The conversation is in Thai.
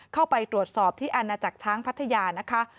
เข้าไปตรวจสอบที่อาณาจักรช้างพัทยานะคะ